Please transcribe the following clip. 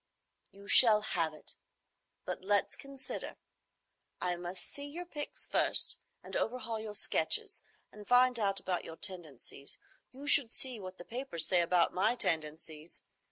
"You shall have it. But let's consider. I must see your pics first, and overhaul your sketches, and find out about your tendencies. You should see what the papers say about my tendencies!